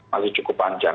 masih cukup panjang